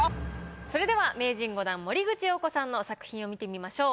それでは名人５段森口瑤子さんの作品を見てみましょう。